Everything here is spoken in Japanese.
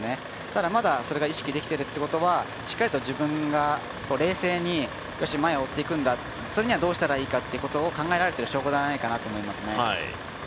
ただまだ、それが意識できているということは、しっかりと自分が冷静に、よし前を追っていくんだそれにはどうしたらいいのかを考えられている証拠じゃないかなって思いますね。